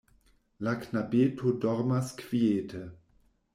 La knabeto dormas kviete.